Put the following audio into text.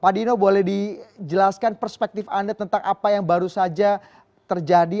pak dino boleh dijelaskan perspektif anda tentang apa yang baru saja terjadi